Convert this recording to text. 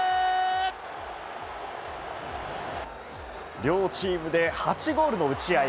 両チームで８ゴールの打ち合いに。